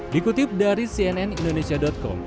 dikutip dari cnn indonesia com